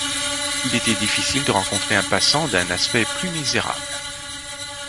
Il était difficile de rencontrer un passant d’un aspect plus misérable.